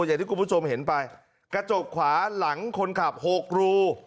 อย่างที่คุณผู้ชมเห็นไปกระจกขวาหลังคนขับหกรู